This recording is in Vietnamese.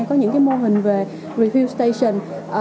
có những cái mô hình về refuse station